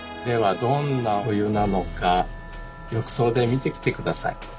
ではどんなお湯なのか浴槽で見てきて下さい。